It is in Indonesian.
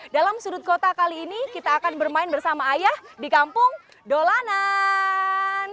dalam sudut kota kali ini kita akan bermain bersama ayah di kampung dolanan